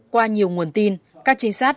qua nhiều nguồn tin các trinh sát